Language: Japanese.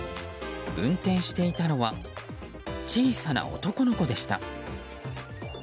運転していたのは小さな男の子でした。